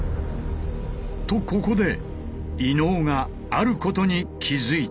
とここで伊野尾があることに気付いた。